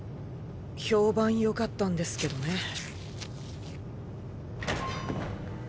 評判よかったんですけどね。